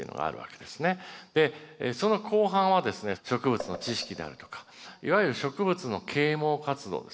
その後半はですね植物の知識であるとかいわゆる植物の啓蒙活動ですよね。